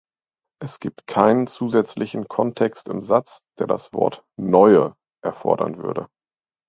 Es gibt keinen zusätzlichen Kontext im Satz, der das Wort "neue" erfordern würde.